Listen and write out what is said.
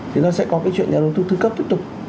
thì nó sẽ có cái chuyện nhà đầu tư tư cấp tiếp tục